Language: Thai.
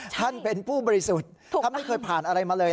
ท่านเป็นผู้บริสุทธิ์ท่านไม่เคยผ่านอะไรมาเลย